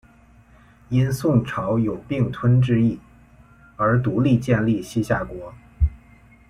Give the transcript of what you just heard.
因宋朝有并吞之意而独立建立西夏国。